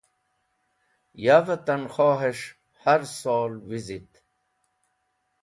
Yavẽ tankhos̃h har sol vẽzhit